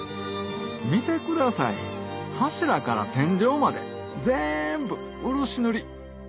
見てください柱から天井までぜんぶ漆塗り